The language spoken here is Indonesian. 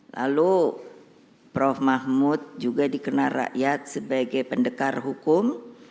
lalu prof mahmud juga dikenal rakyat sebagai pendekar hukum